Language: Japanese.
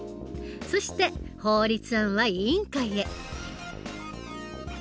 そして法律案は委員会へ。